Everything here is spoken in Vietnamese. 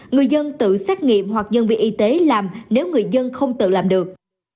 người dân tự xét nghiệm hoặc nhân viên y tế làm nếu người dân không tự làm được